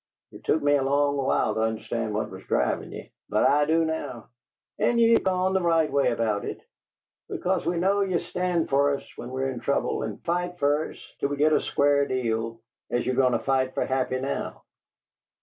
It took me a long while to understand what was drivin' ye, but I do now. And ye've gone the right way about it, because we know ye'll stand fer us when we're in trouble and fight fer us till we git a square deal, as ye're goin' to fight for Happy now."